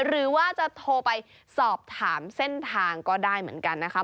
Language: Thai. หรือว่าจะโทรไปสอบถามเส้นทางก็ได้เหมือนกันนะคะ